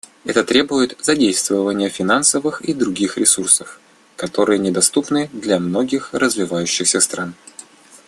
Это требует задействования финансовых и других ресурсов, которые недоступны для многих развивающихся стран.